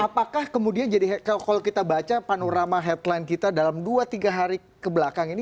apakah kemudian jadi kalau kita baca panorama headline kita dalam dua tiga hari kebelakang ini